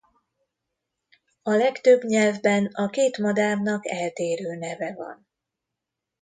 A legtöbb nyelvben a két madárnak eltérő neve van.